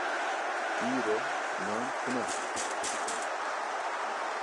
Îro nan tune.